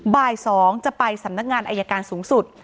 บ่าย๒จะไปสำนักงานอายการสูงสุด